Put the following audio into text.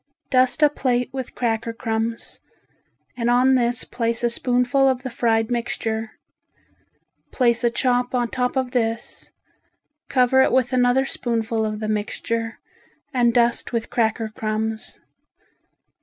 Dust a plate with cracker crumbs and on this place a spoonful of the fried mixture. Place a chop on top of this, cover it with another spoonful of the mixture and dust with cracker crumbs.